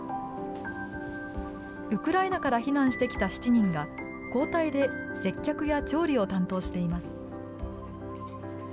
ウクライナから避難してきた７人が、交代で接客や調理を担当しています。